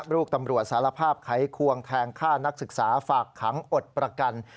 ลูกตำรวจสารภาพไขควงแทงฆ่านักศึกษาฝากขังอดประกัน